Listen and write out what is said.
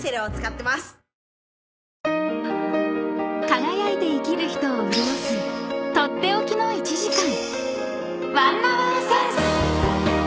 ［輝いて生きる人を潤す取って置きの１時間］